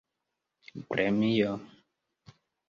premio